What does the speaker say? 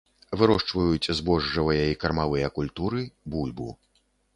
Вырошчваюць збожжавыя і кармавыя культуры, бульбу.